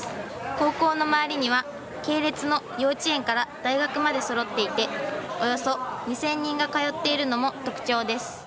高校の周りには系列の幼稚園から大学までそろっていておよそ２０００人が通っているのも特徴です。